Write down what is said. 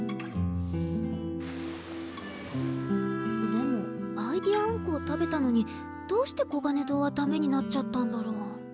でも「アイディアあんこ」を食べたのにどうしてこがね堂はダメになっちゃったんだろう？